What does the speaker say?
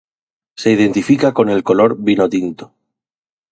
Se identifica con el color vinotinto.